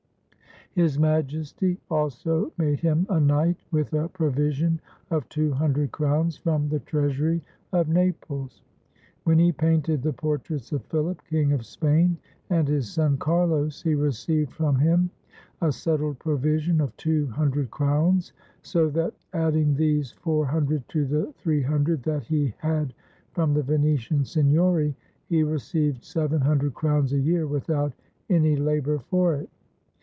His Majesty also made him a knight, with a provision of two hundred crowns from the treasury of Naples. When he painted the portraits of Philip, King of Spain, and his son Carlos, he received from him a settled provision of two hundred crowns; so that, adding these four hundred to the three hundred that he had from the Venetian Signory, he re ceived seven hundred crowns a year without any labor for it.